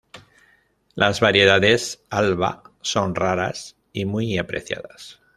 Las variedades "Alba" son raras y muy apreciadas.